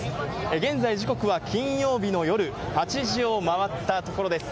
現在、時刻は金曜日の夜８時を回ったところです。